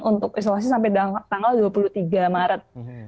untuk isolasi sampai tanggal dua puluh tiga maret